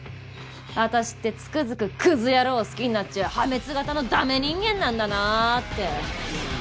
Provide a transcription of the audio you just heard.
私ってつくづくクズ野郎を好きになっちゃう破滅型のダメ人間なんだなーって。